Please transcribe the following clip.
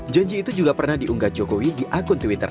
janji itu juga pernah diunggah jokowi di akun twitter